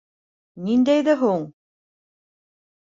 — Ниндәйҙе һуң?!